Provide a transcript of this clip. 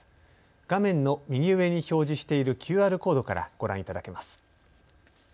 画面の右上に表示しているＱＲコードからご覧いただけます。